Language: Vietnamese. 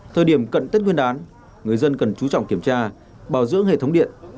thời điểm cận tết nguyên đán người dân cần chú trọng kiểm tra bảo dưỡng hệ thống điện